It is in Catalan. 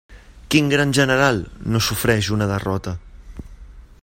Quin gran general no sofreix una derrota?